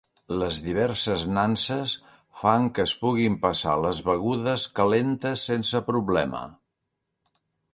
Les diverses nanses fan que es puguin passar les begudes calentes sense problema.